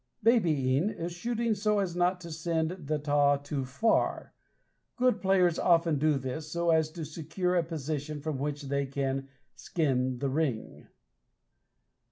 Babying is shooting so as not to send the taw too far. Good players often do this so as to secure a position from which they can "skin the ring."